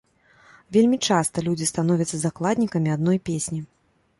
Вельмі часта людзі становяцца закладнікамі адной песні.